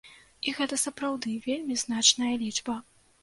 І гэта сапраўды вельмі значная лічба.